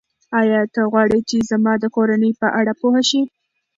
ایا ته غواړې چې زما د کورنۍ په اړه پوه شې؟